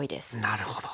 なるほど。